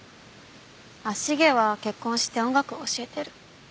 繁は結婚して音楽を教えてる。